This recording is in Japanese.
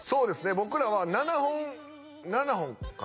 僕らは７本７本か？